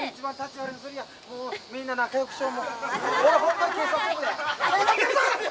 みんな仲良くしよう。